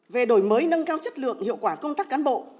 về đổi mới nâng cao chất lượng hiệu quả công tác cán bộ